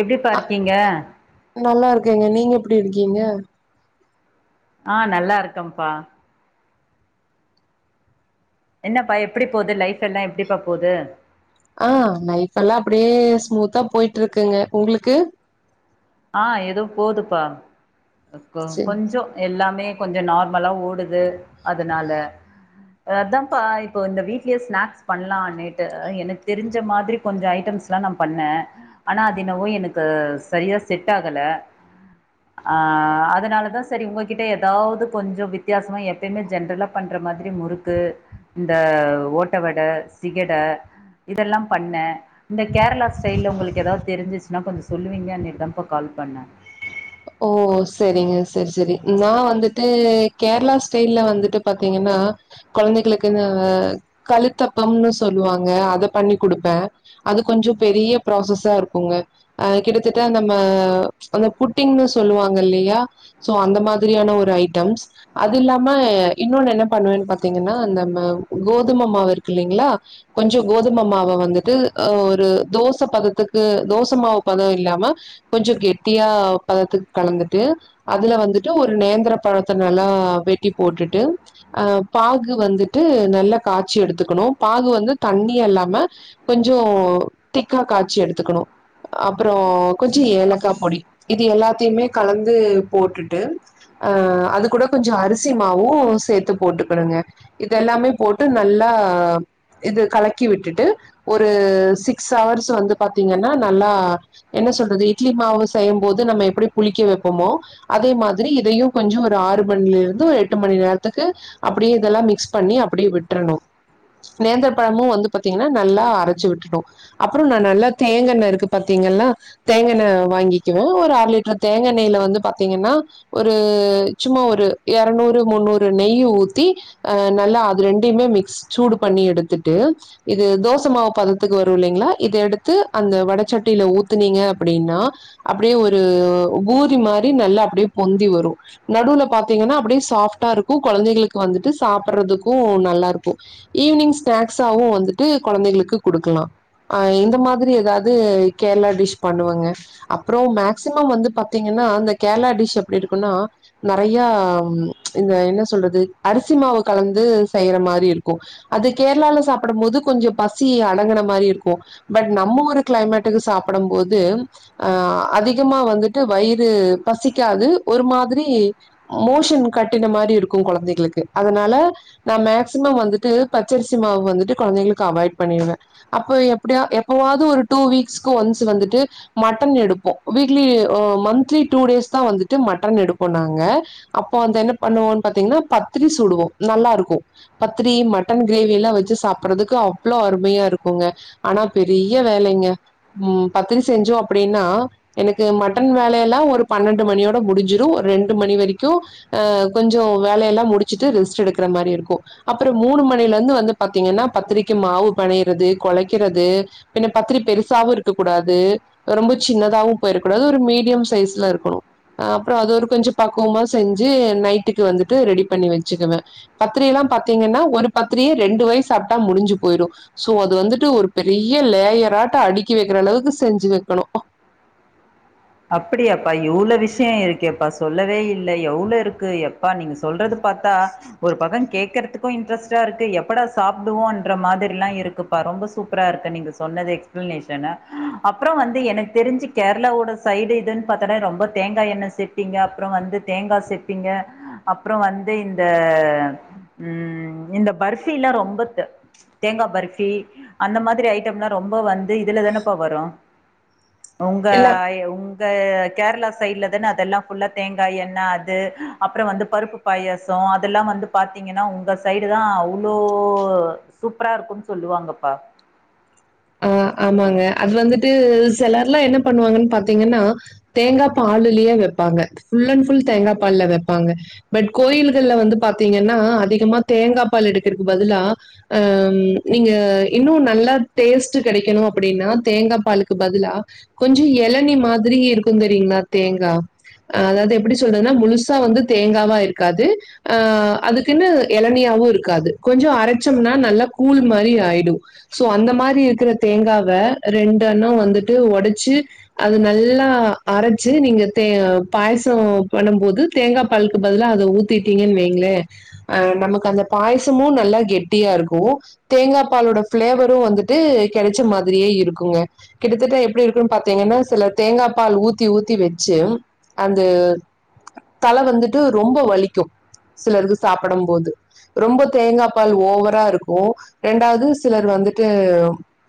எப்படி பா அ ரிக்கிங்க நல்லா இருக்கேங்க நீங்க எப்படி இருக்கீங்க ஆ நல்லாருக்கபா என்னப்பா எப்டி போது லைஃப் எல்லா எப்டிப்பா போது ஆ லைப் எல்லா அப்டியே ஸ்மூத்தா போயிட்டு இருக்குங்க உங்களுக்கு ஆ எதோ போதுப்பா [unintelligible] செரி கொஞ்ச எல்லாமே மே கொஞ்ச நார்மலா ஓடுது அதுனால அதான்ப்பா இப்போ இந்த வீடல ஸ்நாக்ஸ் பண்ணலாம்ட்டு எனக்கு தெரிஞ்ச மாதிரி கொஞ்ச ஐட்டம்ஸ்லா நா பண்ணே ஆனா அது என்னவோ எனக்கு சரியா செட் ஆகல ஆ அதனாலதா சரி உங்ககிட்ட எதாவது கொஞ்சோ வித்தியாசமா எப்பயுமே ஜென்ரலா பண்ற மாதிரி முறுக்கு இந்த ஓட்டவட சிகட இதெல்லா பண்ணே இந்த கேரளா ஸ்டைல்ல உங்களுக்கு எதாவது தெரிஞ்சுச் நா கொஞ்ச சொல்லுவீங்க நிதம் இப்போ கால் பண்ண ஓ சேரிங்க சேரி சேரி உம் நா வந்துட்டு கேரளா ஸ்டைல்ல வந்துட்டு பாத்தீங்கன்னா கொழந்தைகளுக்கு இந்த கழுத்தப்பம்னு சொல்லுவாங்க அத பண்ணி குடுப்பே அது கொஞ்சோ பெரிய ப்ராசஸா இருக்குங்க அ கிட்டத்தட்ட நம்ம அந்த புட்டிங்ன்னு சொல்லுவாங்க இல்லயா ஸோ அந்த மாதிரியான ஒரு ஐட்டம்ஸ் அது இல்லாம இன்னொன்னு என்ன பண்ணுவேன்னு பாார்த்தீங்கன்னா அந்த ம கோதுமை மாவு இருக்கு இல்ங்களா கொஞ்சம் கோதுமை மாவ வந்துட்டு அ ஒரு தோசை பதத்துக்கு தோசை மாவு பதோ இல்லாம கொஞ்ச கெட்டியா பதத்துக்கு கலந்துட்டு அதுல வந்துட்டு ஒரு நேந்திர பழத்த நல்லா வெட்டி போட்டுட்டு அ பாகு வந்துட்டு நல்ல காச்சி எடுத்துக்கணு பாகு வந்து தண்ணி இல்லாம கொஞ்சோ திக்கா காச்சி எடுத்துக்கணு அப்பறோ கொஞ்சோ ஏலக்கா பொடி இது எல்லாத்தயுமே கலந்து போட்டுட்டு அ அது கூட கொஞ்சோ அரிசி மாவும் சேர்த்து போட்டுக்கணுங்க இதெல்லாமே போட்டு நல்லா இது கலக்கி விட்டுட்டு ஒரு சிக்ஸ் ஹவர்ஸ் வந்து பாத்தீங்கன்னா நல்லா என்ன சொல்றது இட்லி மாவு செய்யும் போது நம்ம எப்டி குளிக்க வைப்போமோ அதேமாதிரி இதயும் கொஞ்சம் ஒரு ஆறு மணில இருந்து எட்டு மணி நேரத்துக்கு அப்படியே இதேல்லா மிக்ஸ் பண்ணி அப்படியே விட்ரனு நேந்தர பழமு வந்து பாத்திங்கனா நல்லா அரச்சி விட்ரனு அப்றோ நா நல்ல தேங்கென்னை இருக்கு பாத்திங்கல்லா தேங்கென்னை வாங்கி வே ஒரு அர லிட்டர் தேங்காய் நெய்ல வந்து பாத்தீங்கன்னா ஒரு சும்மா ஒரு இரநூறு முன்னூறு நெய் ஊத்தி அ நல்லா அது ரெண்டுுமே மிக்ஸ் சூடு பண்ணி எடுத்துட்டு இது தோசை மாவு பதத்துக்கு வரும் இல்லைங்களா இத எடுத்து அந்த வடச்சட்டியில ஊத்துனீங்க அப்படின்னா அப்படியே ஒரு பூரி மாரி நல்லா அப்படியே பொந்தி வரும் நடுவுல பாார்த்தீங்கன்னா அப்படியே சாஃப்ட்டா இருக்கு கொழந்தைகளுக்கு வந்துட்டு சாப்பிடுறதுக்கும் நல்லா இருக்கு ஈவினிங் ஸ்நாக்ஸாவு வந்துட்டு கொழந்தைகளுக்கு குடுக்கலா அஹ் இந்த மாரி ஏதாவது கேரளா டிஷ் பண்ணுவாங்க அப்புறம் மேக்சிமம் வந்து பாத்தீங்கன்னா இந்த கேரளா டிஷ் எப்படி இருக்கும்ன்னா நெறைய இந்த என்ன சொல்றது அரிசி மாவு கலந்து செய்யற மாரி இருக்கு அது கேரளால சாப்பிடும் போது கொஞ்ச பசி அடங்கின மாரி இருக்கும் பட் நம்ம ஒரு கிளைமேட்டுக்கு சாப்பிட போது ஆ அதிகமா வந்துட்டு வயிறு பசிக்காது ஒரு மாதிரி மோஷன் கட்டின மாரி இருக்கு கொழந்தைகளுக்கு அதனால நா மேக்சிமம் வந்துட்டு பச்சரிசி மாவு வந்துட்டு கொழந்தைகளுக்கு அவாய்ட் பண்ணிடுவே அப்ப எப்படியா எப்பவாவது ஒரு டூ வீக்ஸ்க்கு ஒன்ஸ் வந்துட்டு மட்டன் எடுப்போ வீக்லி அ மந்த்லி டூ டேஸ் தா வந்துட்டு மட்டன் எடுப்போ நாங்க அப்போ வந்து என்ன பண்ணுவோ பாத்தீங்கன்னா பத்திரி சுடுவோ நல்லா இருக்கு பத்திரி மட்டன் கிரேவ எல்லா வச்சு சாப்பறதுக்கு அவ்வளோ அருமையா இருக்குங்க ஆனா பெரிய வேலைங்க ம் பத்திரி செஞ்சோ அப்படின்னா எனக்கு மட்டன் வேலைய எல்லா ஒரு பன்னெண்டு மணியோட முடிஞ்சிடு ஒரு ரெண்டு மணி வரைக்கு அ கொஞ்ச வேலைய எல்லா முடிச்சுட்டு ரெஸ்ட் எடுக்கிற மாரி இருக்கு அப்புறம் மூணு மணில இருந்து வந்து பாத்தீங்கன்னா பத்திரிக்கு மாவு பணையறது குலைக்கிறது பன பத்திரி பெருசாவும் இருக்க கூடாது ரொம்ப சின்னதாவவு போயிருக்கூடா அது ஒரு மீடியம் சைஸ்ல இருக்கணு ஆ அப்புறம் அது ஒரு கொஞ்ச பக்குவமா செஞ்சு நைட்டுக்கு வந்துட்டு ரெடி பண்ணி வச்சுக்குவே பத்திர எல்லா பாார்த்தீங்கன்னா ஒரு பத்திரியே ரெண்டு வயு சாப்பிட்டா முடிஞ்சு போயிடும் சோ அது வந்துட்டு ஒரு பெரிய லேயராட்ட அடுக்கி வைக்கிற அளவுக்கு செஞ்சுவே கண அப்படியாப்பா எவ்வளவு விஷய இருக்குப்பா சொல்லவே இல்லல எவ்வளவு இருக்கு எப்பா நீங்க சொல்றது பாத்தா ஒரு பக்கம் கேட் துக்கு இன்டாஸ்டா இருக்கு எப்பட சாப்பிடுவோன்ற மாதிராலா இருக்கு ரோம்ப சூப்பரா இருங்க நீங்க சொன்ன எக்ஸ்பளனேஷன் அப்புறம் வந்து எனக்கு தெரிஞ்சு கேரளாவோட சைடு இதுன்னு பாத்தோனா ரொம்ப தேங்காய் எண்ணெய் சேப்பிங்க அப்றோ வந்து தேங்காய் சேப்பிங்க அப்றோ வந்து இந்த ம் இந்த பர்ஃபி எல்லா ரொம்ப தேங்காய் பர்ஃபி அந்த மாதிரி ஐட்டம் எல்லா ரொம்ப வந்து இதுல தானேப்ப வரும் உங்க இல்ல அ உங்க கேரளா சைடு்லதானே அதெல்லா ஃபுல்லா தேங்காய் எண்ணெய் அது அப்றோ வந்து பருப்பு பாயாசம் அதெல்லா வந்து பாத்தீங்கன்னா உங்க சைடுலதான் அவ்ளோ சூப்பரா இருக்கும்ன்னு சொல்லுவாங்கப்பா ஆ ஆமாங்க அது வந்துட்டு சிலர் எல்லா என்ன பண்ணுவாங்கன்னு பாத்தீங்கன்னா தேங்காய் பாலுலயே வைப்பாங்க ஃபுல் அண்ட் ஃபுல் தேங்காய் பால்ல வைப்பாங்க பட் கோயில்கள்ல வந்து பாத்தீங்கன்னா அதிகமா தேங்காய் பால் எடுக்கிறதுக்கு பதிலா அ நீங்க இன்னும் நல்லா டேஸ்ட் கிடைக்கணும் அப்டின்னா தேங்காய் பாலுக்கு பதிலா கொஞ்சம் இளநீ மாதிரி இருக்கும் தெரியங்களா தேங்கா அதாது எப்டி சொல்றதுன்னா முழுசா வந்து தேங்காவா இருக்காது ஆ அதுக்குன்னு இளநீயாவும் இருக்காது கொஞ்சம் அரைச்சோம்னா நல்லா கூழ் மாதிரி ஆயிடும் சோ அந்த மாரி இருக்குற தேங்காவ ரெண்டு எண்ணம் வந்துட்டு உடைச்சு அத நல்லா அரைச்சு நீங்க பாயசம் பண்ணபோது தேங்காய் பாலுக்கு பதிலா அத ஊத்திட்டீங்கன்னு வைங்களே அ நமக்கு அந்த பாயசமும் நல்லா கெட்டியா இருக்கும் தேங்காய் பாலோட ஃபிளேவரும் வந்து ட்டு கிடைச்ச மாதிரியே இருக்குங்க கிட்டத்தட்ட எப்டி இருக்குன்னு பாத்தீங்கன்னா சிலர் தேங்காய் பால் ஊத்தி ஊத்தி வச்சு அந்த தலை வந்துட்டு ரொம்ப வலிக்கும் சிலருக்கு சாப்பிடும் போது ரொம்ப தேங்காய் பால் ஓவரா இருக்கும் ரெண்டாவது சிலர் வந்துட்டு அ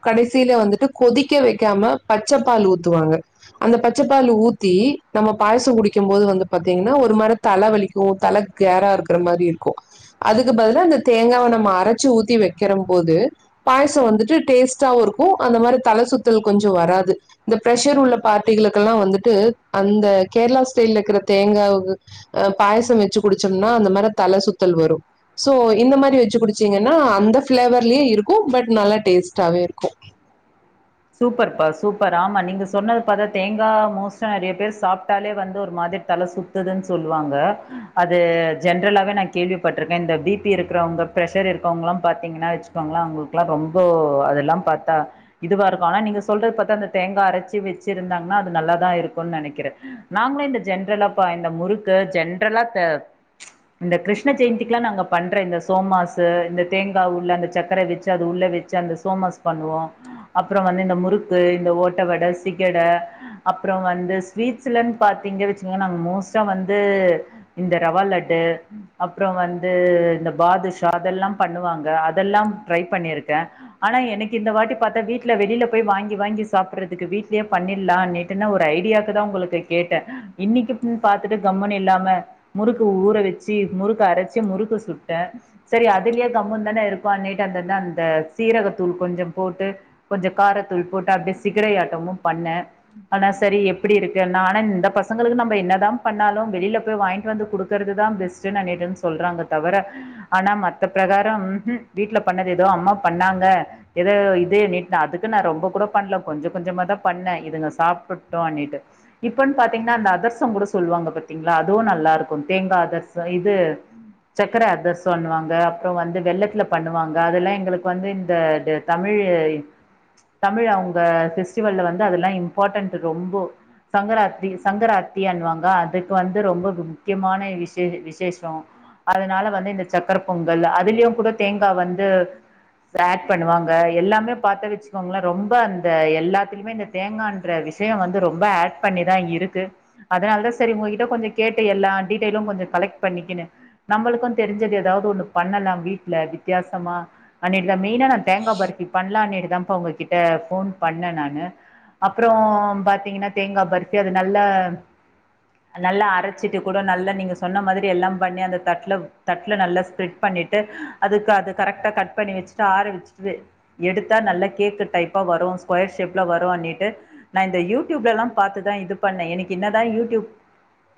கடைசியில வந்துட்டு கொதிக்க வைக்காம பச்சப்பால் ஊத்துவாங்க அந்த பச்சப்பால் ஊத்தி நம்ம பாயசம் குடிக்கும்போது வந்து பாத்தீங்கன்னா ஒரு மாதிரி தலை வலிக்கும் தலை கேரா இருக்கிற மாதிரி இருக்கும் அதுக்கு பதில அந்த தேங்காவ நம்ம அரைச்சு ஊத்தி வைக்கிற போது பாய் சம் வந்துட்டு டேஸ்ட்டாவு இருக்கும் அந்த மாதிரி தலை சுத்தல் கொஞ்சம் வராது இந்த ப்ஷர் உள்ள பார்ட்டிகளுக்கெல்லாம் வந்துட்டு அந்த கேரளா ஸ்டைல் இருக்கிற தேங்காய் பாயசம் வச்சு குடிச்சோம்னா அந்த மாதிரி தலை சுத்தல் வரும் சோ இந்த மாதிரி வச்சு குடிச்சீங்கன்னா அந்த ஃபிளேவர்லயும் இருக்கும் பட் நல்லா டேஸ்டாவே இருக்கும் சூப்பர் பா சூப்பர் ஆமா நீங்க சொன்னது பாத்தா தேங்காய் மோஸ்டா நெறைய பேர் சாப்பிட்டாலே வந்து ஒரு மாதிரி தலை சுத்துதுன்னு சொல்லுவாங்க அது ஜென்ரலாவே நான் கேள்விப்பட்டிருக்கேன் இந்த பி பி இருக்கறவங்க பிரஷர் இருக்கறவங்க எல்லா பாத்தீங்கன்னா வச்சுக்கோங்களாம் அவங்களுக்கு எல்லாம ரொம்ப அதெல்லாம் பாத்தா இதுவா இரு ஆனா நீங்க சொல்றத பாத்தா அந்த தேங்காய் அரைச்சி வச்சு இருந்தாங்கன்னா அது நல்லா தான் இருக்கும்னு நினைக்கிறேன் நாங்களும் இந்த ஜென்ரலா இந்த முறுக்கு ஜென்ரலா இந்த கிருஷ்ண ஜெயந்திக்கு எல்லா நாங்க பண்ற இந்த சோமாசு இந்த தேங்காய் உள்ள அந்த சக்கரை வச்சு அ உள்ள வச்சு அந்த சோமாஸ் பண்ணுவோம் அப்றோ வந்து இந்த முறுக்கு இந்த ஓட்ட வடை சீகட அப்றோ வந்து ஸ்வீட்ஸ்ல பாத்தீங்க வச்ச நா மோஸ்டா வந்து இந்த ரவா லட்டு அப்றோ வந்து இந்த பாதுஷா அதெல்லாம் பண்ணுவாங்க அதெல்லாம் ட்ரை பண்ணிருக்கேன் ஆனா எனக்கு இந்த வாட்டி பாத்தா வீட் ல வெளில போய் வாங்கி வாங்கி சாப்பிடுறதுக்கு வீட்லயே பண்ணிடலாம் நேத்து நா ஒரு ஐடியாக்கு தா உங்களுக்கு கேட்டேன் இன்னைக்குனு பாத்துட்டு கம்முன் இல்லாம முறுக்கு ஊற வச்சு முறுக்கு அரைச்சு முறுக்கு சுட்டேன் சரி அதுலயே கம்முன் தானே இருப்பான்டு அந்த அந்த சீரகத்தூள் கொஞ்சம் போட்டு கொஞ்சம் கார தூள் போட்டு அப்டியே சிகர ஆட்டமும் பண்ணேன் ஆனா சரி எப்டி இருக்குன்னா ஆனா இந்த பசங்களுக்கு நம்ம என்ன தான் பண்ணாலும் வெளில போய் வாங்கிட்டு வந்து குடுக்கறதுதான் பெஸ்ட்டுன்னு அது இதுன்னு சொல்றாங்க தவிர ஆனா மத்த பிரகாரம் வீட்ல பண்ணது ஏதோ அம்மா பண்ணாங்க ஏதோ இது அதுக்கு நான் ரொம்ப கூட பண்ணல கொஞ்சம் கொஞ்சம தான் பண்ணேன் இதுங்க சாப்பிட்டோம் இப்பன்னு பாத்தீங்கன்னா அந்த அதர்சம் கூட சொல்லுவாங்க பாத்தீங்களா அதுவும் நல்லா இருக்கும் தேங்காய் அதர்சம் இது சக்கரை அதர்சம் பண்ணுவாங்க அப்றோ வந்து வெள்ளத்துல பண்ணுவாங்க அதெல்லாம் எங்களுக்கு வந்து இந்த தமிழ் தமிழ் அவுங்க ஃபெஸ்டிவல்ல வந்து அதெல்லாம் இம்பார்ட்டெண்ட் ரொம்ப சங்கராத்திரி சங்கராத்திண்ணுவாங்க அதுக்கு வந்து ரொம்ப முக்கியமான விஷே விசேஷம் அதனால வந்து இந்த சக்கர பொங்கல் அதுலயும் கூட தேங்காய் வந்து ஆட் பண்ணுவாங்க எல்லாமே பாத்தச் ரொம்ப அந்த எல்லாத்திலயுமே இந்த தேங்காய்கிற விஷயம் வந்து ரொம்ப ஆட் பண்ணிதான் இருக்கு அதனால தான் சரி உங்ககிட்ட கொஞ்சம் கேட்டு எல்லா டீடைலும் கொஞ்சம் கலெக்ட் பண்ணிக்கினு நம்மளும் தெரிஞ்சது ஏதாது ஒண்ணு பண்ணலாம் வீட்ல வித்தியாசமா அ இதுல மெய்னா நா தேங்காய் பர்பி பண்ணலாம்னு இருக் உங்ககிட்ட போன் பண்ணேன் நானு அப்றோ பாத்தீங்கன்னா தேங்காய் பர்பி அது நல்லா நல்லா அரைச்சிட்டு கூட நல்லா நீங்க சொன்ன மாதிரி எல்லா பண்ணி அந்த தட்ல தட்ல நல்லா ஸ்ப்ரெட் பண்ணிட்டு அதுக்கு அது கரெக்டாக கட் பண்ணி வச்சுட்டு ஆர வச்சுட்டு எடுத்தா நல்லா கேக் டைப்பா வரும் ஸ்கொயர் ஷேப்ல வரும்னிட்டு நான் இந்த யூடியூப்ல எல்லா பாத்துதான் இது பண்ணேன் எனக்கு என்னதான் யூடியூப்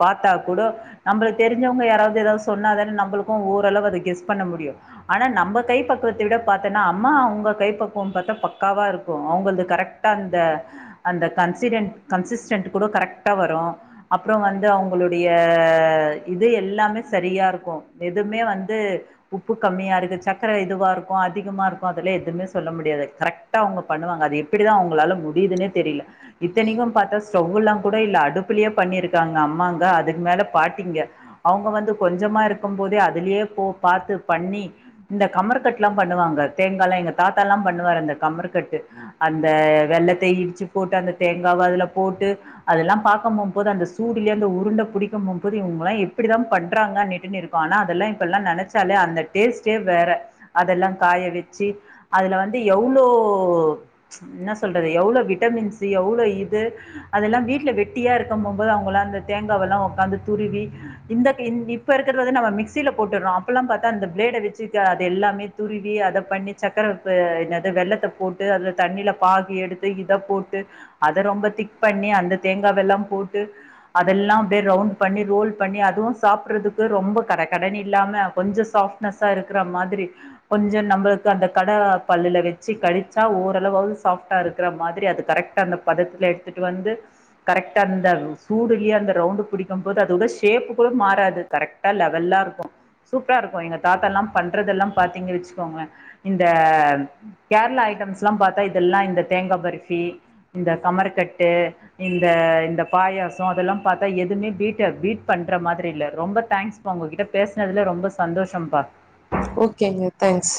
பாத்தா கூட நம்மளுக்கு தெரிஞ்சவங்க யாராவது எதாது சொன்னாத நம்மளுக்கும் ஓரளவு அதை கெஸ் பண்ண முடியும் ஆனா நம்ம கை பக்குவத்தை விட பாத்தேன்னா அம்மா அவங்க கை பக்குவம் பாத்தா பக் காவா இருக்கும் அவங்களது கரெக்டா அந்த அந்த கன்சிட கன்சிஸ்டன்ட் கூட கரெக்டா வரும் அப்றோ வந்து அவங்களுடைய இது எல்லாமே சரியா இருக்கும் எதுவுமே வந்து உப்பு கம்மியா இருக்கு சக்கர இதுவா இருக்கும் அதிகமா இருக்கும் அதெல எதுவுமே சொல்ல முடியாது கரெக் டா அவங்க பண்ணுவாங்க அது எப்டிதா அவுங்களால முடியுதுனே தெரில இத்தனைக்கும் பாத்தா ஸ்டவ்வு எல்லாம் கூட இல்ல அடுப்பிலயே பண்ணிருக்காங்க அம்மாங்க அதுக்கு மேல பாட்டிங்க அவங்க வந்து கொஞ்சமா இருக்கும் போதே அதுலயே போ பாத்து பண்ணி இந்த கமர கட் எல்லா பண்ணுவாங்க தேங்காய்லாம் எங்க தாத்தா எல்லா பண்ணுவாரு அந்த கமர்கட்டு அந்த வெல்லத்த இடிச்சு போட்டு அந்த தேங்காவ அதுல போட்டு அதெல்லாம் பாக்கப் போகும்போது அந்த சூடல அந்த உருண்டை புடிக்கும் போகும் போது இவங்கலாம் எப்டிதான் பண்றாங்கனிட்டு இருக்கும் ஆனா அதெல்லாம் இப்பல்லாம் நினைச்சாலே அந்த டேஸ்டே வேற அதெல்லாம் காய வச்சு அதுல வந்து எவ் போ என்ன சொல்றது எவ்ளோ விட்டமின் சி எவ்ளோ இது அதெல்லாம் வீட்ல வெட்டியா இருக்கும் போகும்போது அவங்களாம் அந்த தேங்காவ எல்லாம் உக்காந்து துருவி இந்த இப்ப இருக்க வந்து நம்ம மிக்சியில போட்டுறோம் அப்பல்லாம் பாத்தா அந்த பிளேட வச்சு அதது எல்லாமே துருவி அதை பண்ணி சக்கர அ இந்த வெல்லத்த போட்டு அது தண்ணில பாகி எடுத்து இதை போட்டு அதை ரொம்ப திக் பண்ணி அந்த தேங்காய் வெல்லம் போட்டு அதெல்லாம் அப்டியே ரவுண்ட் பண்ணி ரோல் பண்ணி அதுவும் சாப்படுறதுக்கு ரொம்ப கட கடனு இல்லாம கொஞ்சம் சாஃப்ட்னஸ்ஸா இருக்கிற மாதிரி கொஞ்சம் நம்மளுக்கு அந்த கடாவ பல்லுல வச்சி ச்ச கடிச்சா ஓரளவாவது சாஃப்டா இருக்கிற மாதிரி அது கரெக்டா அந்த பதத்துல எடுத்துட்டு வந்து கரெக்டா அந்த சூடுலயே அந்த ரவுண்டு பிடிக்கும் போது அதோட ஷேப்பு கூட மாறாது கரெக்டா லெவல்லா இருக்கும் சூப்பரா இருக்கும் எங்க தாத்தா எல்லாம் பண்றது எல்லாம் பாத்தீங்கனா வச்சுக்கோங்களேன் இந்த கேரளா ஐட்டம்ஸ் எல்லா பாத்தா இதெல்லாம் இந்த தேங்காய் பர்பி இந்த கமரக்கட்டு இந்த இந்த பாயாசம் அதெல்லாம் பாத்தா எதுவுமே பீட் பீட் பண்ற மாதிரி இல் ரொம்ப தேங்க்ஸ் பா உங்ககிட்ட பேசுனதுல ரொம்ப சந்தோஷம்பா ஓகேங்க தேங்க்ஸ்